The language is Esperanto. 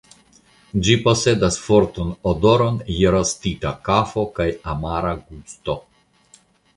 Ĝi posedas fortan odoron je rostita kafo kaj amara gusto.